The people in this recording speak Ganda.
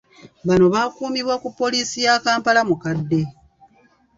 Bano bakuumibwa ku Poliisi ya Kampala Mukadde.